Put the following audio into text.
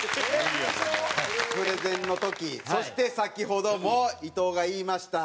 プレゼンの時そして先ほども伊藤が言いました。